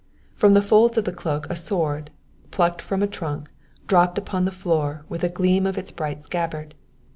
From the folds of the cloak a sword, plucked from a trunk, dropped upon the floor with a gleam of its bright scabbard.